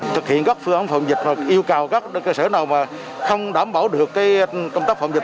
thực hiện các phương án phòng dịch và yêu cầu các cơ sở nào mà không đảm bảo được công tác phòng dịch